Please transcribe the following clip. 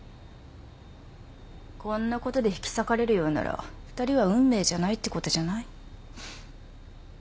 こんなことで引き裂かれるようなら２人は運命じゃないってことじゃない？